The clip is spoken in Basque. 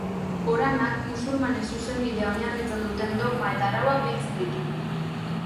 Koranak musulmanen zuzenbidea oinarritzen duten dogma eta arauak biltzen ditu.